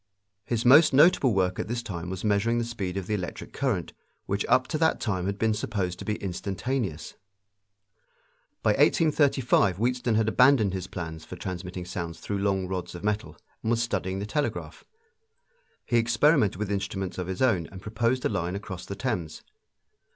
His most notable work at this time was measuring the speed of the electric current, which up to that time had been supposed to be instantaneous. By 1835 Wheatstone had abandoned his plans for transmitting sounds through long rods of metal and was studying the telegraph. He experimented with instruments of his own and proposed a line across the Thames.